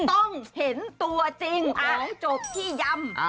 ต้องเห็นตัวจริงเอาจบที่ยำ